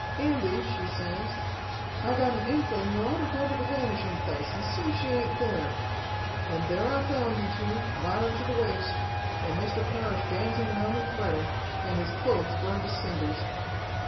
'Andy,' she says. 'I got an inkling you oughter go to the Vanishing Place and see if she ain't there.' And there I found you two, mired to the waist, and Mr. Parrish dancing around and fretting, and his clothes burned to cinders.